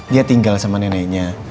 dia tinggal sama neneknya